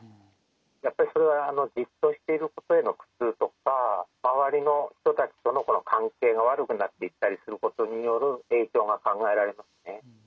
やっぱりそれはじっとしていることへの苦痛とか周りの人たちとの関係が悪くなっていったりすることによる影響が考えられますね。